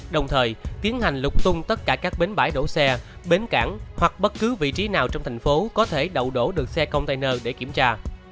đồng thời tiến hành lục tung tất cả các bến bãi đổ xe bến cảng hoặc bất cứ vị trí nào trong thành phố có thể đậu đổ được xe container để kiểm tra